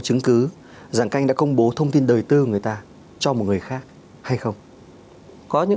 chứng cứ giảng canh đã công bố thông tin đời tư người ta cho một người khác hay không có những